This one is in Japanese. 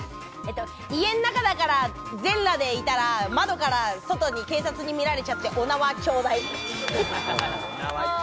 家の中だから、全裸でいたら窓から外に警察に見られちゃってお縄頂戴。